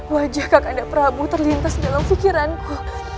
wajah kakak andaprabu terlintas dalam fikiranku